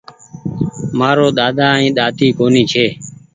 مآرو ۮاۮا ائين ۮاۮي ڪونيٚ ڇي